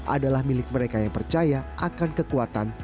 adalah milik mereka yang percaya akan kekuatan